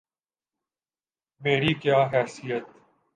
میری کیا حیثیت؟